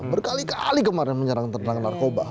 berkali kali kemarin menyerang tendangan narkoba